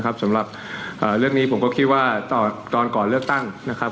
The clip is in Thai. ครับสำหรับหารักนี้ผมก็คิดว่าตอนก่อนเรื้อตั้งนะครับ